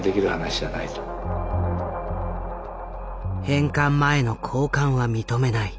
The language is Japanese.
返還前の交換は認めない。